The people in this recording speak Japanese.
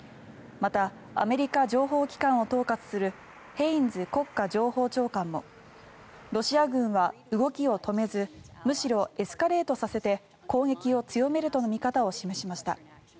また、アメリカ情報機関を統括するヘインズ国家情報長官もロシア軍は動きを止めずむしろエスカレートさせて攻撃を強めるとの見方を示しました。